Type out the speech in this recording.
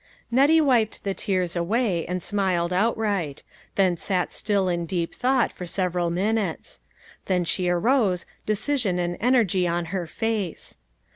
Nettie wiped the tears away, and smiled out right ; then sat still in deep thought for several minutes. Then she arose, decision and energy on her face.